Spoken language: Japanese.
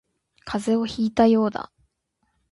風邪をひいたようだ